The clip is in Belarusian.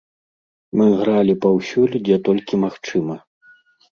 Мы гралі паўсюль, дзе толькі магчыма.